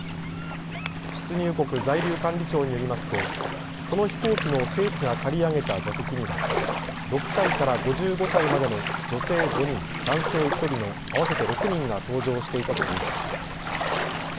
出入国在留管理庁によりますとこの飛行機の政府が借り上げた座席には６歳から５５歳までの女性５人、男性１人の合わせて６人が搭乗していたということです。